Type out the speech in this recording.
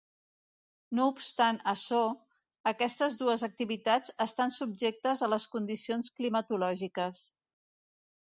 No obstant açò, aquestes dues activitats estan subjectes a les condicions climatològiques.